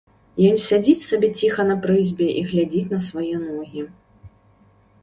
Ён сядзіць сабе ціха на прызбе і глядзіць на свае ногі.